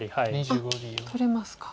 あっ取れますか。